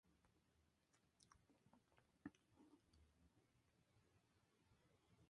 Terapias físicas y ocupacionales pueden ser beneficiosas para algunos pacientes.